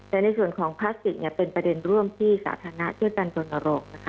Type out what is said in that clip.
แต่ในส่วนของพลาสติกเป็นประเด็นร่วมที่สาธารณะช่วยกันจนโรงนะคะ